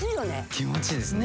気持ちいいですね。